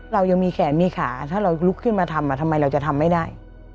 เรายังมีแขนมีขาถ้าเราลุกขึ้นมาทำทำไมเราจะทำไม่ได้